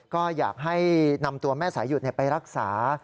ก็อยากให้นำตัวแม่สายหยุดไปรักษา